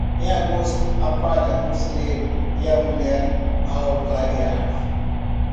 Em agosto, a palha no celeiro e a mulher ao clarear.